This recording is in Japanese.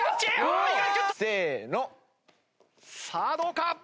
さあどうか？